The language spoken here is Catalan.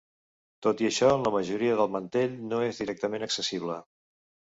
Tot i això, la majoria del mantell no és directament accessible.